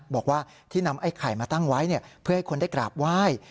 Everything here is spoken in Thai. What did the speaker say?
บอกว่าที่นำไอ้ไข่มาตั้งไว้เพื่อให้คนได้กราบไหว้